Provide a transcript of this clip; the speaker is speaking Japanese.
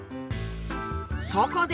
そこで！